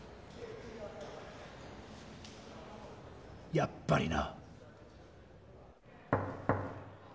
やっぱりな。